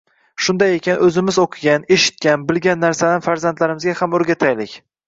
Shunday ekan, o‘zimiz o‘qigan, eshitgan, bilgan narsalarni farzandlarimizga ham o‘rgataylik.